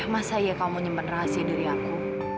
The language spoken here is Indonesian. masa iya kamu nyimpen rahasia diri aku